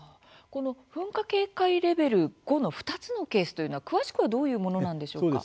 この噴火警戒レベル５の２つのケースというのは詳しくはどういうものなんでしょうか。